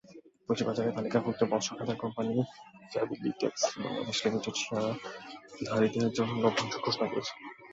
পুঁজিবাজারে তালিকাভুক্ত বস্ত্র খাতের কোম্পানি ফ্যামিলিটেক্স বাংলাদেশ লিমিটেড শেয়ারধারীদের জন্য লভ্যাংশ ঘোষণা করেছে।